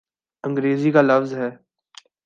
انگریزی کا لفظ ہے۔